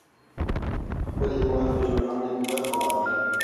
د خپل هېواد په جوړونه کې برخه واخلئ.